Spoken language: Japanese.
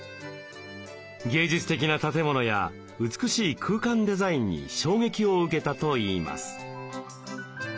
芸術的な建物や美しい空間デザインに衝撃を受けたといいます。